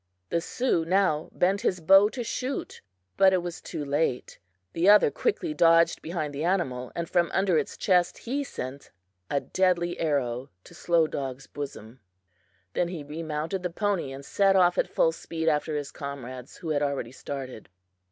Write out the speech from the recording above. The Sioux now bent his bow to shoot, but it was too late. The other quickly dodged behind the animal, and from under its chest he sent a deadly arrow to Slow Dog's bosom. Then he remounted the pony and set off at full speed after his comrades, who had already started.